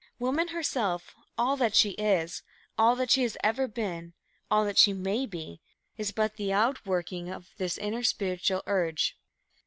Woman herself, all that she is, all that she has ever been, all that she may be, is but the outworking of this inner spiritual urge.